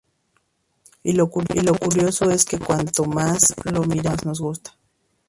Y lo curioso es que cuanto más lo miramos más nos gusta.